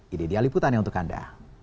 ini dia liputannya untuk anda